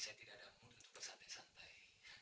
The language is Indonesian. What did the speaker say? saya tidak ada muda bersantai santai